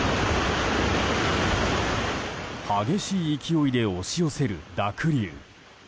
激しい勢いで押し寄せる濁流。